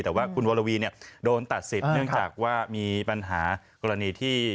แต่ว่าคุณวรวีโดนตัดสิทธิ์เนื่องจากว่ามีปัญหากรณีที่